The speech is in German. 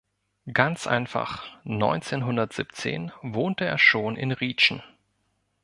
Ganz einfach: Neunzehnhundertsiebzehn wohnte er schon in Rietschen.